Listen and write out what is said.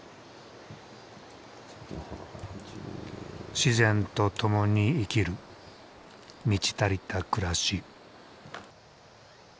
自然と共に生きる満ち足りた暮らし。